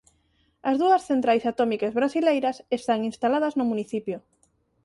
As dúas centrais atómicas brasileiras están instaladas no municipio.